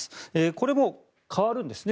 これも変わるんですね